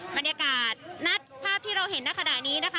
บรรยากาศนัดภาพที่เราเห็นณขณะนี้นะคะ